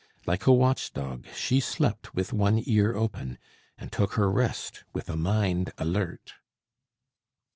Like a watch dog, she slept with one ear open, and took her rest with a mind alert.